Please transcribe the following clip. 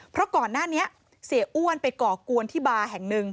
เพราะก่อนหน้านี้เสียอ้วนไปก่อกวนที่บาร์แห่งหนึ่ง